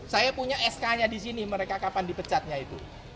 saya punya sk nya di sini mereka kapan dipecatnya itu